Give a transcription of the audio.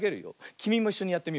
きみもいっしょにやってみようね。